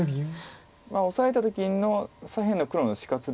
まあオサえた時の左辺の黒の死活です。